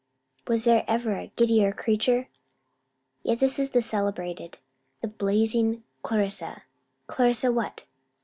Was there ever a giddier creature? Yet this is the celebrated, the blazing Clarissa Clarissa what?